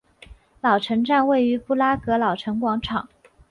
老城站位于布拉格老城广场。